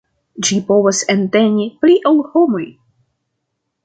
Ĝi povas enteni pli ol homoj.